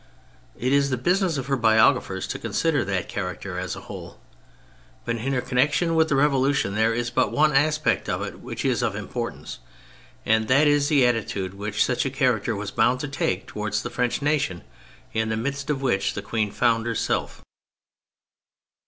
It is the business of her biographers to consider that character as a whole ; but in her connection with the Revolution there is but one aspect of it which is of importance, and that is the attitude which such a character was bound to take towards the French nation in the midst of which the Queen found herself.